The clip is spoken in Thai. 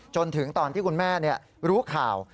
จนถึงตอนที่คุณแม่รู้ข่าว